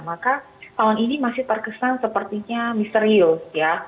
maka tahun ini masih terkesan sepertinya misterius ya